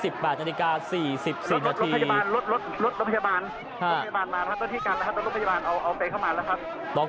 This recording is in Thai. รถพยาบาลมาแล้วครับต้นที่กรรมต้นรถพยาบาลค่ะเอาเฟลเข้ามาแล้วครับ